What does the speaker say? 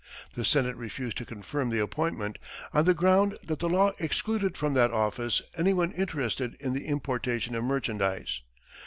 The senate refused to confirm the appointment, on the ground that the law excluded from that office anyone interested in the importation of merchandise.